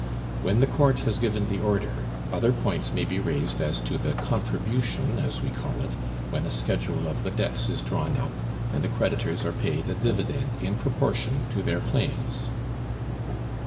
When the court has given the order, other points may be raised as to the 'contribution,' as we call it, when a schedule of the debts is drawn up, and the creditors are paid a dividend in proportion to their claims.